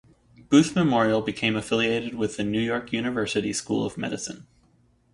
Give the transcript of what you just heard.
Booth Memorial became affiliated with the New York University School of Medicine.